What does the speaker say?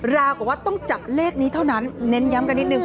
ราวกับว่าต้องจับเลขนี้เท่านั้นเน้นย้ำกันนิดนึ